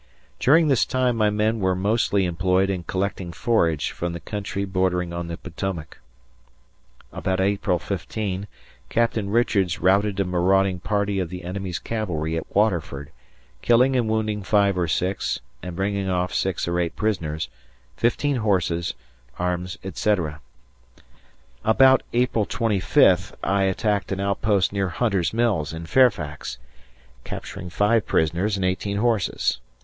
During this time my men were mostly employed in collecting forage from the country bordering on the Potomac. About April 15, Captain Richards routed a marauding party of the enemy's cavalry at Waterford, killing and wounding 5 or 6 and bringing off 6 or 8 prisoners, 15 horses, arms, etc. About April 25 I attacked an outpost near Hunter's Mills, in Fairfax, capturing 5 prisoners and 18 horses.